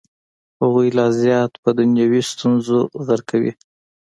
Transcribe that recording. هغوی لا زیات په دنیوي ستونزو غرقوي.